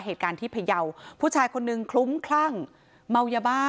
เหตุการณ์ที่พยาวผู้ชายคนนึงคลุ้มคลั่งเมายาบ้า